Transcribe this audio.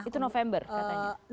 itu november katanya